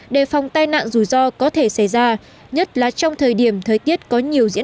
đề phòng tai nạn rủi ro có thể xảy ra nhất là trong thời điểm thời tiết có nhiều diễn